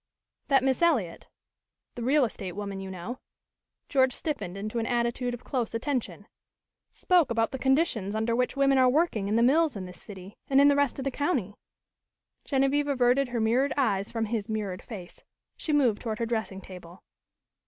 "That Miss Eliot the real estate woman, you know " George stiffened into an attitude of close attention "spoke about the conditions under which women are working in the mills in this city and in the rest of the county " Genevieve averted her mirrored eyes from his mirrored face. She moved toward her dressing table.